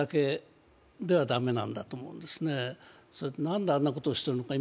なんであんなことをしてるのか。